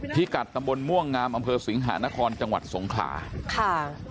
พิกัดตำบลม่วงงามอำเภอสิงหานครจังหวัดสงขลาค่ะ